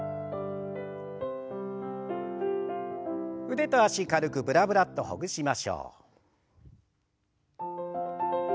腕と脚軽くブラブラッとほぐしましょう。